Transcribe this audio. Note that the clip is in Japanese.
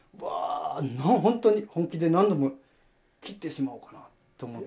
ホントに本気で何度も切ってしまおうかなと思った。